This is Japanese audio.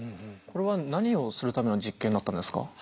これは何をするための実験だったんですか？